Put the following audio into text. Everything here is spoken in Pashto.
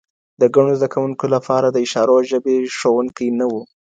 د کڼو زده کوونکو لپاره د اشارو ژبې ښوونکي نه وو.